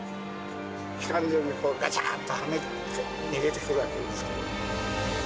機関銃にがちゃんとはめて、逃げてくるわけです。